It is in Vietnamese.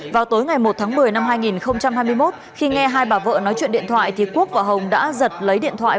vào tối ngày một tháng một mươi năm hai nghìn hai mươi một khi nghe hai bà vợ nói chuyện điện thoại thì quốc và hồng đã giật lấy điện thoại